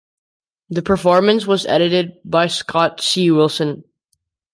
The performance was edited by Scott C. Wilson.